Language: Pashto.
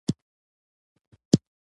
د هر فعل نوم په مقابل کې په پنسل ولیکئ.